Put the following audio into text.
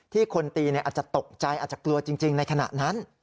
คนตีอาจจะตกใจอาจจะกลัวจริงในขณะนั้น